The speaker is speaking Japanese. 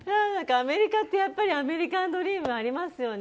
アメリカってやっぱりアメリカンドリームがありますよね。